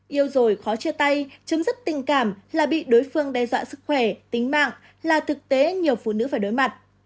yêu rồi khó chia tay chấm dứt tình cảm là bị đối phương đe dọa sức khỏe tính mạng là thực tế nhiều phụ nữ phải đối mặt